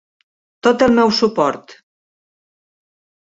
Tot el meu suport!